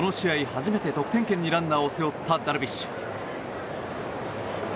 初めて得点圏にランナーを背負ったダルビッシュ。